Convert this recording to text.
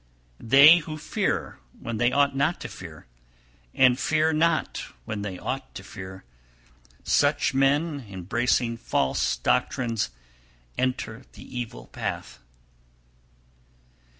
317. They who fear when they ought not to fear, and fear not when they ought to fear, such men, embracing false doctrines, enter the evil path.